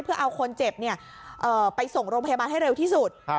เพื่อเอาคนเจ็บไปส่งโรงพยาบาลให้เร็วที่สุด